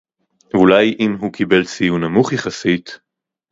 ואולי אם הוא קיבל ציון נמוך יחסית